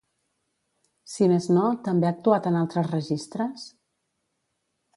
Si més no, també ha actuat en altres registres?